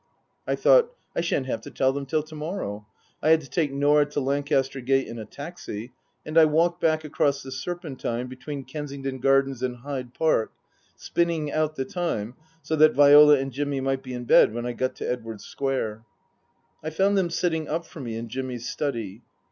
I thought : I shan't have to tell them till to morrow. I had to take Norah to Lancaster Gate in a taxi, and I walked back across the Serpentine between Kensington Gardens and Hyde Park, spinning out the time so that Viola and Jimmy might be in bed when I got to Edwardes Square. I found them sitting up for me in Jimmy's study.